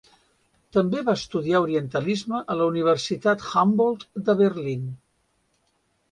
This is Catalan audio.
També va estudiar orientalisme a la Universitat Humboldt de Berlín.